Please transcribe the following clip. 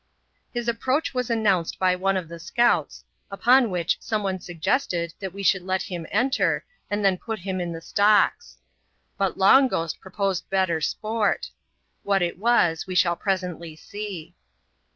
His approach was announced by one of the scouts, upon which some one suggested that we should let him enter, and then put him in the stocks. But Long Ghost proposed better sport. What it was, we shall presently see.